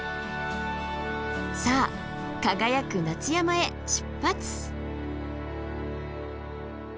さあ輝く夏山へ出発！